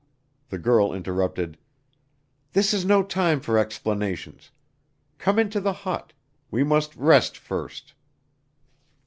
The girl interrupted, "This is no time for explanations. Come into the hut. We must rest first."